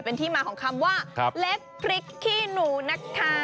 เป็นที่มาของคำว่าเล็กพริกขี้หนูนะคะ